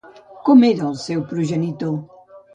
Com era el seu progenitor?